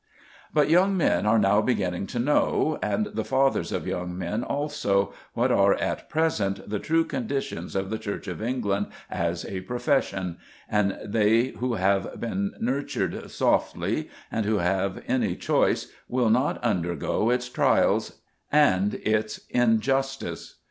But young men are now beginning to know, and the fathers of young men also, what are at present the true conditions of the Church of England as a profession, and they who have been nurtured softly, and who have any choice, will not undergo its trials and its injustice!